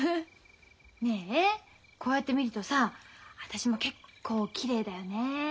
ねえこうやって見るとさ私も結構きれいだよね。